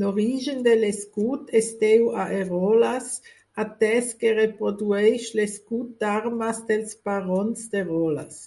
L'origen de l'escut es deu a Eroles, atès que reprodueix l'escut d'armes dels barons d'Eroles.